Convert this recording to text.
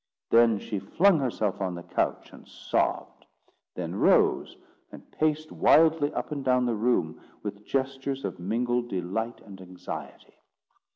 Then she flung herself on the couch, and sobbed; then rose, and paced wildly up and down the room, with gestures of mingled delight and anxiety.